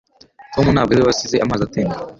Tom ntabwo ari we wasize amazi atemba